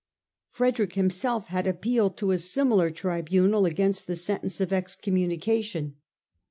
Frederick himself had appealed to a similar tribunal against the sentence of excommunication.